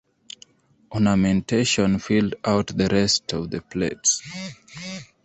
Ornamentation filled out the rest of the plate.